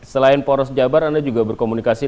selain poros jabar anda juga berkomunikasi